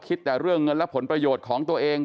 คิดแต่เรื่องเงินและผลประโยชน์ของตัวเอง